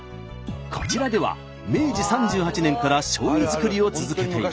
こちらでは明治３８年からしょうゆ造りを続けています。